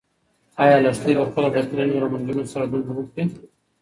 ایا لښتې به کله د کلي له نورو نجونو سره لوبې وکړي؟